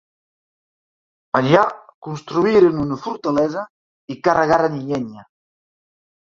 Allà construïren una fortalesa i carregaren llenya.